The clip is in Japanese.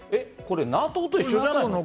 これＮＡＴＯと一緒じゃないの？